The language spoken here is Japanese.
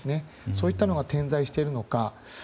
そういったのが点在しているのか。